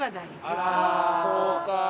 そうか。